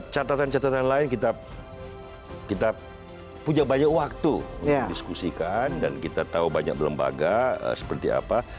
catatan catatan lain kita punya banyak waktu untuk diskusikan dan kita tahu banyak lembaga seperti apa